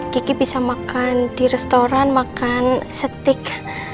kiki bisa makan di restoran makan setik